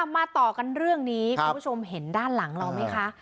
มาต่อกันเรื่องนี้คุณผู้ชมเห็นด้านหลังเราไหมคะ